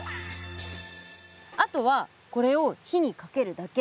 あとはこれを火にかけるだけ。